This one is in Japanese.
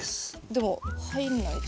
でも入んないです。